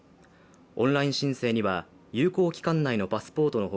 オンライン申請には有効期限内のパスポートの他、